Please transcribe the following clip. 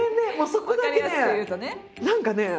そこだけね何かね